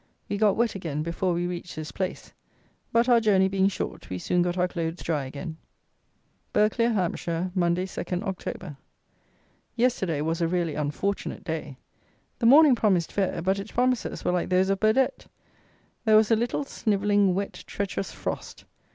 We got wet again before we reached this place; but, our journey being short, we soon got our clothes dry again. Burghclere (Hampshire), Monday, 2nd October. Yesterday was a really unfortunate day. The morning promised fair; but its promises were like those of Burdett! There was a little snivelling, wet, treacherous frost.